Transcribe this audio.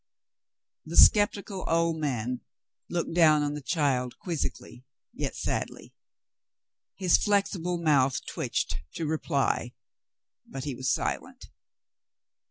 The sceptical old man looked down on the child quiz zically, yet sadly. His flexible mouth twitched to reply, but he was silent.